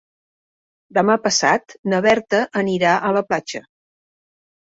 Demà passat na Berta anirà a la platja.